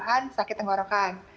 keluhan sakit tenggorokan